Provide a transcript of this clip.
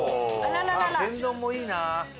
天丼もいいな。